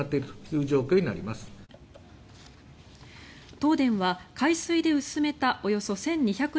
東電は海水で薄めたおよそ１２００